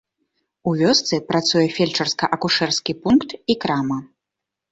У вёсцы працуе фельчарска-акушэрскі пункт і крама.